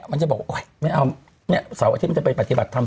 มันจะบอกนี่แอร์สาวอาทิตย์มันจะไปปฏิบัติธรรม